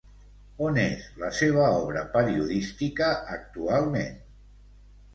On és la seva obra periodística actualment?